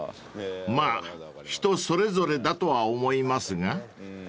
［まぁ人それぞれだとは思いますが］